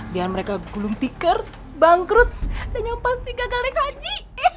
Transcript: biar mereka gulung tikar bangkrut dan nyampas tiga galengan haji